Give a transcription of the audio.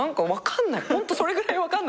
ホントそれぐらい分かんなくて。